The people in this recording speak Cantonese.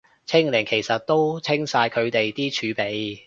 清零其實都清晒佢哋啲儲備